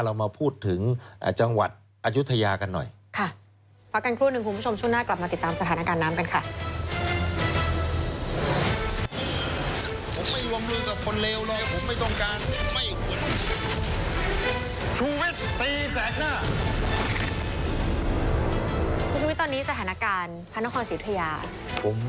คุณผู้ชมชมวิทย์ตอนนี้สถานการณ์พระนครศิษยา